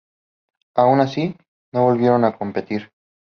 Aun así, no volvieron a competir.